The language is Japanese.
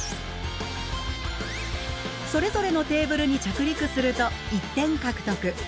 それぞれのテーブルに着陸すると１点獲得。